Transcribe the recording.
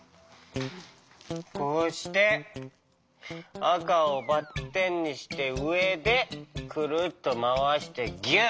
こうしてあかをばってんにしてうえでくるっとまわしてぎゅっ。